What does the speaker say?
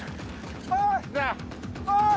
おい！